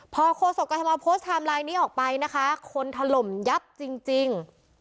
พอโฆษกรทมโพสต์ไทม์ไลน์นี้ออกไปนะคะคนถล่มยับจริง